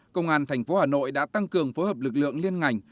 công an thành phố hà nội đã tăng cường phối hợp lực lượng liên ngành